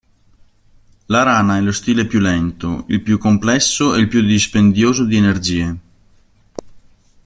La rana è lo stile più lento, il più complesso e il più dispendioso di energie.